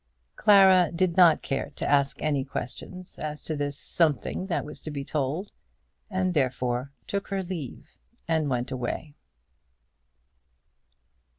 Clara did not care to ask any questions as to this something that was to be told, and therefore took her leave and went away.